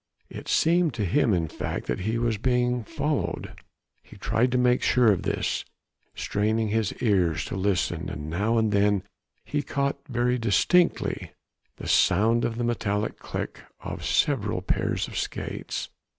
It seemed to him in fact that he was being followed. He tried to make sure of this, straining his ears to listen, and now and then he caught very distinctly the sound of the metallic click of several pairs of skates.